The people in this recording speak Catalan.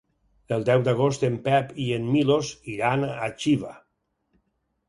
El deu d'agost en Pep i en Milos iran a Xiva.